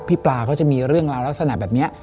ปลาเขาจะมีเรื่องราวลักษณะแบบนี้